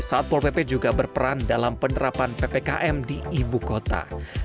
satpol pp juga berperan dalam penerapan ppkm di ibu kota